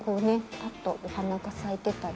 パッとお花が咲いてたり。